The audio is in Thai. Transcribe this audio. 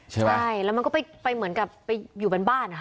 ใช่แล้วมันก็ไปเหมือนยูบนบ้าน